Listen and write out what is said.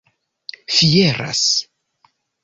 fieras